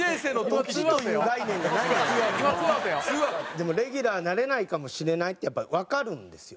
でもレギュラーになれないかもしれないってやっぱわかるんですよ。